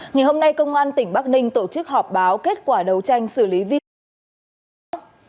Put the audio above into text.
ngày hôm nay công an tỉnh bắc ninh tổ chức họp báo kết quả đấu tranh xử lý vi phạm rõ